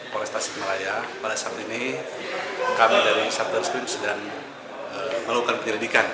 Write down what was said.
polisi tasikmalaya pada saat ini kami dari sabda rizkin sedang melakukan penyelidikan